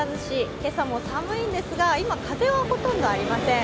今朝も寒いんですが、今、風はほとんどありません。